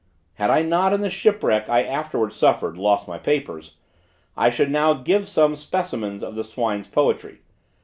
Had I not, in the shipwreck I afterwards suffered, lost my papers, I should now give some specimens of the swine's poetry.